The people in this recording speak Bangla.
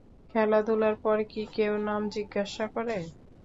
খেলাধুলার পর কি কেউ নাম জিজ্ঞাসা করে?